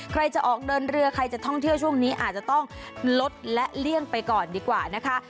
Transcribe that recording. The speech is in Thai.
ใครจะออกเดินเรือใครจะท่องเที่ยวช่วงนี้อาจจะต้องลดและเลี่ยงไปก่อนดีกว่านะคะ